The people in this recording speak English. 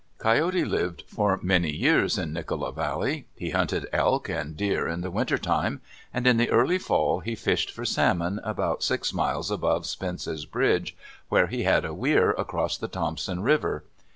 Coyote lived for many years in Nicola Valley. He hunted elk and deer in the winter time, and in the early fall he fished for salmon about six miles above Spence's Bridge where he had a weir across the Thompson River.